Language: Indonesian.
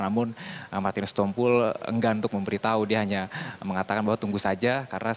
namun martinus tompu enggan untuk memberitahu dia hanya mengatakan bahwa tunggu saja